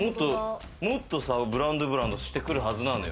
もっとさ、ブランド、ブランドしてくるはずなんだよ。